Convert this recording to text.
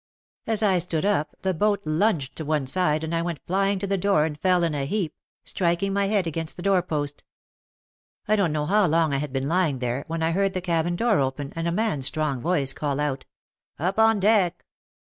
As I stood up the boat lunged to one side and I went flying to the door and fell in a heap, striking my head against the door post. I don't know how long I had been lying there, when I heard the cabin door open and a man's strong voice call out, "Up on deck."